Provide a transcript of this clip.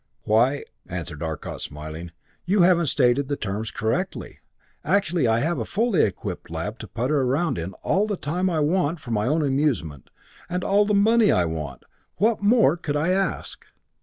"Why," answered Arcot smiling, "you haven't stated the terms correctly. Actually, I have a fully equipped lab to putter around in, all the time I want for my own amusement, and all the money I want. What more could I ask?"